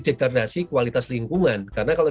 degradasi kualitas lingkungan karena kalau